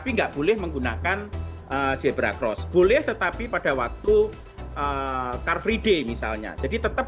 tapi nggak boleh menggunakan zebra cross boleh tetapi pada waktu car free day misalnya jadi tetap